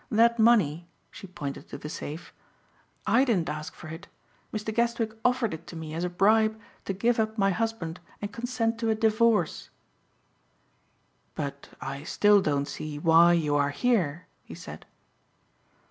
That money" she pointed to the safe, "I didn't ask for it. Mr. Guestwick offered it to me as a bribe to give up my husband and consent to a divorce." "But I still don't see why you are here," he said.